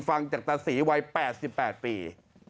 ฟังจากตาศรีวัย๘๘ปี